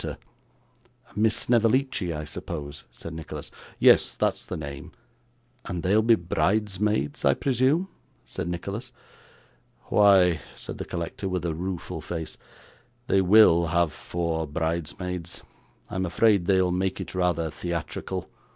'Miss Snevellicci, I suppose?' said Nicholas. 'Yes, that's the name.' 'And they'll be bridesmaids, I presume?' said Nicholas. 'Why,' said the collector, with a rueful face, 'they WILL have four bridesmaids; I'm afraid they'll make it rather theatrical.